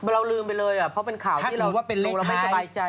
เราลืมไปเลยเพราะเป็นข่าวที่เราไม่สบายใจ